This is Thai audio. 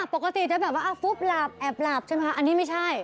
ปกติจะแบบว่าฟุ๊บหลับแอบหลับใช่ไหมคะอันนี้ไม่ใช่